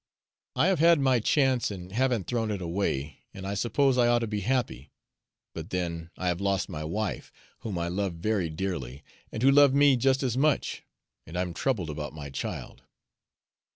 I have had my chance and haven't thrown it away, and I suppose I ought to be happy. But then, I have lost my wife, whom I loved very dearly, and who loved me just as much, and I'm troubled about my child."